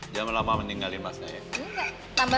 jangan lama meninggalin masnya ya